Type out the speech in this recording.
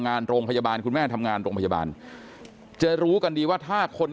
งานโรงพยาบาลคุณแม่ทำงานโรงพยาบาลจะรู้กันดีว่าถ้าคน